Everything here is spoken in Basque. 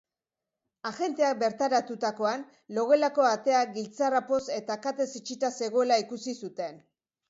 Agenteak bertaratutakoan, logelako atea giltzarrapoz eta katez itxita zegoela ikusi zuten.